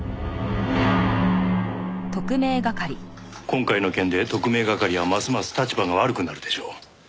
今回の件で特命係はますます立場が悪くなるでしょう。